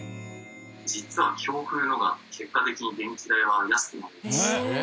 実は強風の方が結果的に電気代は安くなります。